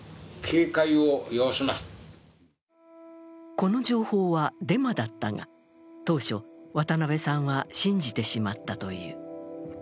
この情報はデマだったが当初、渡辺さんは信じてしまったという。